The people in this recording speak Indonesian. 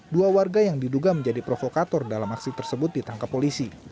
dua warga yang diduga menjadi provokator dalam aksi tersebut ditangkap polisi